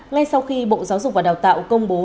ngay sau khi bộ giáo dục và đào tạo công bố